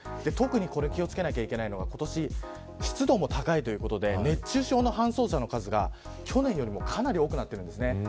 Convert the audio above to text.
特に気を付けなければいけないのは今年は湿度も高いということで熱中症の搬送者の数が去年よりもかなり多くなっています。